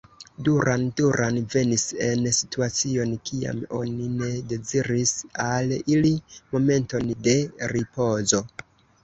Duran Duran venis en situacion, kiam oni ne deziris al ili momenton de ripozo.